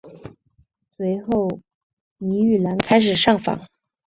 随后倪玉兰开始上访。